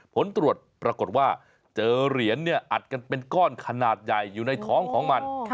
ผลตรวจปรากฏว่าเจอเหรียญอัดกันเป็นก้อนขนาดใหญ่อยู่ในท้องของมัน